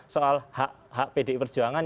soal hak pdi perjuangan